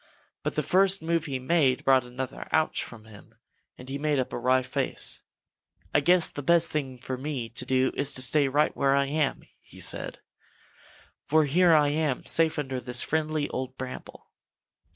But the first move he made brought another "Ouch" from him, and he made up a wry face. "I guess the best thing for me to do is to stay right where I am," said he, "for here I am safe under this friendly old bramble."